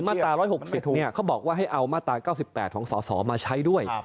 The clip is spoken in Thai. หน้าตา๑๖๐เนี่ยเขาบอกว่าให้เอาหน้าตา๙๘ของสอศมาใช้ด้วย